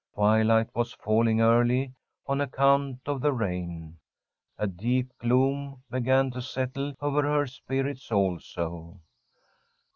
Twilight was falling early on account of the rain. A deep gloom began to settle over her spirits also.